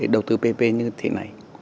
đầu tư ppp như thế này